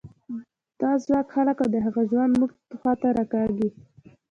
دا ځواک خلک او د هغوی ژوند موږ خوا ته راکاږي.